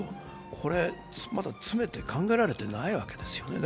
これまだ詰めて考えられてないわけですね。